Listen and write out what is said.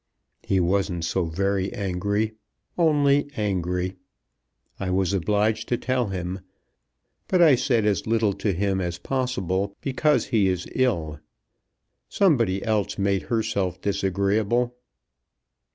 "He wasn't so very angry, only angry. I was obliged to tell him; but I said as little to him as possible because he is ill. Somebody else made herself disagreeable."